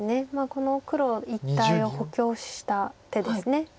この黒一帯を補強した手です。